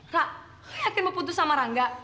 kak lo yakin mau putus sama rangga